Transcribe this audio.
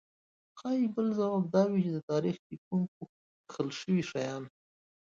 ښايي بل ځواب دا وي چې د تاریخ لیکونکو کښل شوي شیان.